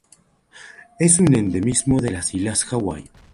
Es un endemismo de las Islas Hawái.